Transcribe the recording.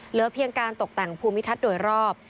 เหลือเพียงการตกแต่งภูมิทัศน์โดยรอบ